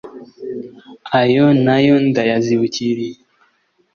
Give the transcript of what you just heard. ayo na yo ndayazibukiriye